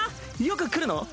よく来るの？